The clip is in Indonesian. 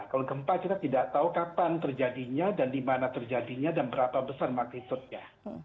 kalau gempa kita tidak tahu kapan terjadinya dan dimana terjadinya dan berapa besar maklumatnya